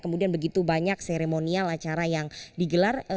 kemudian begitu banyak seremonial acara yang digelar